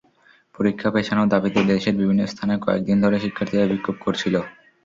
পরীক্ষা পেছানোর দাবিতে দেশের বিভিন্ন স্থানে কয়েক দিন ধরে শিক্ষার্থীরা বিক্ষোভ করছিল।